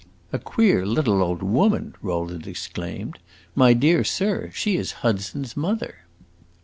"A queer little old woman!" Rowland exclaimed. "My dear sir, she is Hudson's mother."